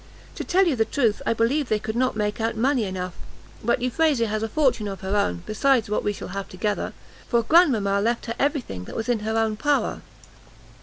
To tell you the truth, I believe they could not make out money enough; but Euphrasia has a fortune of her own, besides what we shall have together, for Grandmama left her every thing that was in her own power."